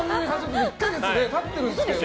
１か月経ってるんですけどね